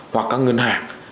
hoặc các ngân hàng